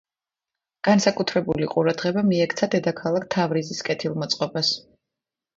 განსაკუთრებული ყურადღება მიექცა დედაქალაქ თავრიზის კეთილმოწყობას.